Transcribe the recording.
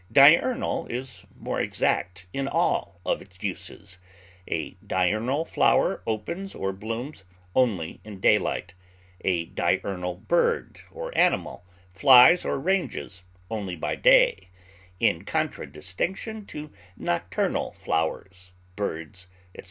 Diurnal is more exact in all its uses; a diurnal flower opens or blooms only in daylight; a diurnal bird or animal flies or ranges only by day: in contradistinction to nocturnal flowers, birds, etc.